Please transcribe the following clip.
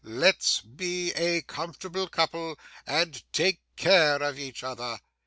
Let's be a comfortable couple, and take care of each other!